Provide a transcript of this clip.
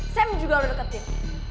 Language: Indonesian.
sam juga lo deketin